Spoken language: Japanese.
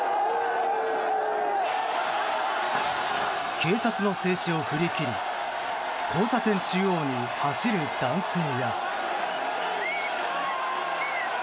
警察の制止を振り切り交差点中央に走る男性や。